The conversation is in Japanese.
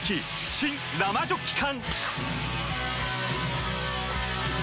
新・生ジョッキ缶！